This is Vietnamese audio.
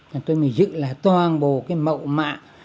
thành tôi mới giữ lại toàn bộ cái mậu mạ